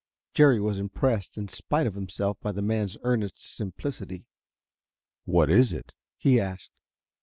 Jerry was impressed in spite of himself by the man's earnest simplicity. "What is it?" he asked.